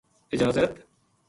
اجازت